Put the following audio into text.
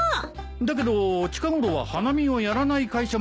だけど近ごろは花見をやらない会社もあるよ。